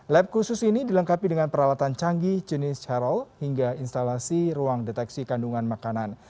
lab khusus ini dilengkapi dengan peralatan canggih jenis charle hingga instalasi ruang deteksi kandungan makanan